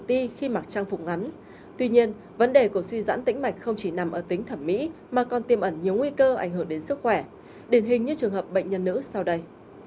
điển hình như trường hợp bệnh nhân nữ sau đây